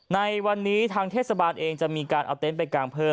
ในวันนี้ทางเทศบาลเองจะมีการเอาเต็นต์ไปกางเพิ่ม